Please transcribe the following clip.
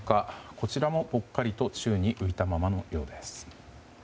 こちらもぽっかりと宙に浮いたままのようです。